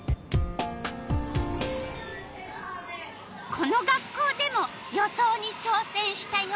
この学校でも予想にちょうせんしたよ。